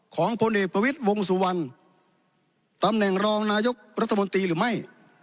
ของพลเอกประวิทย์วงสุวรรณตำแหน่งรองนายกรัฐมนตรีหรือไม่